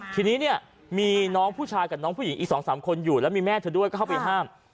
ทีนี้เนี่ยมีน้องผู้ชายกับน้องผู้หญิงอีก๒๓คนอยู่แล้วมีแม่เธอด้วยก็เข้าไปห้าม